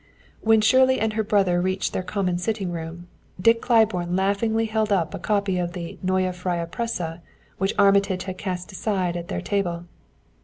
When Shirley and her brother reached their common sitting room Dick Claiborne laughingly held up the copy of the Neue Freie Presse which Armitage had cast aside at their table.